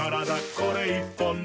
これ１本で」